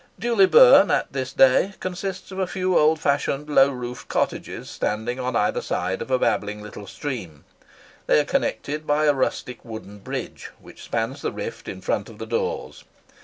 Dewley Burn, at this day, consists of a few old fashioned low roofed cottages standing on either side of a babbling little stream. They are connected by a rustic wooden bridge, which spans the rift in front of the doors.